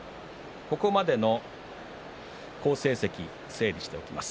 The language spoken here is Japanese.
ここまでの好成績整理をしていきます。